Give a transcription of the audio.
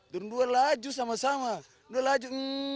dua dua laju sama sama dua laju